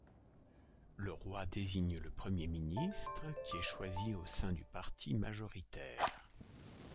Le roi désigne le premier ministre qui est choisi au sein du parti majoritaire.